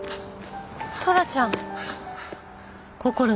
トラちゃん。